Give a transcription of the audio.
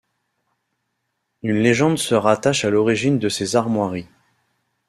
Une légende se rattache à l'origine de ces armoiries.